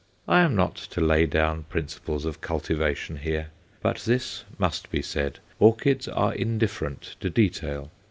I am not to lay down principles of cultivation here, but this must be said: orchids are indifferent to detail.